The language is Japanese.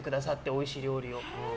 おいしい料理を。